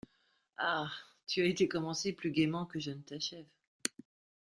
Ah ! tu as été commencée plus gaiement que je ne t’achève.